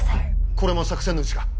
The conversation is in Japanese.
これも作戦のうちか？